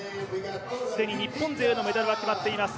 既に日本勢のメダルは決まっています。